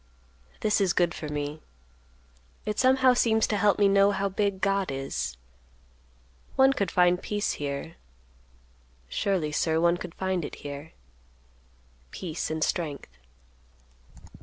"This is good for me; it somehow seems to help me know how big God is. One could find peace here—surely, sir, one could find it here—peace and strength."